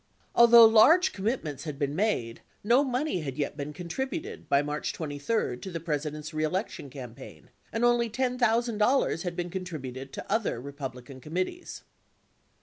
Although large commitments had been made, no money had yet been contributed by March 23 to the President's reelection campaign and only $10,00*0 had been contributed to other Republican committees.